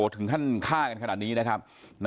โอโหวถึงขั้นฆ่ากันขนาดนี้นะครับส่วนพูดเรือมมาขึ้นฮะ